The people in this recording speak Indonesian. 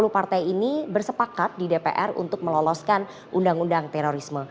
sepuluh partai ini bersepakat di dpr untuk meloloskan undang undang terorisme